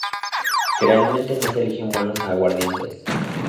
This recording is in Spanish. Generalmente no se eligen buenos aguardientes.